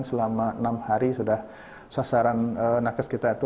selama enam hari sudah sasaran nakes kita itu